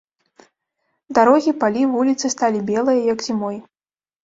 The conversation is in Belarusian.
Дарогі, палі, вуліцы сталі белыя, як зімой.